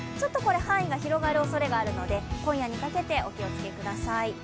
範囲が広がるおそれがあるので今夜にかけてお気をつけください。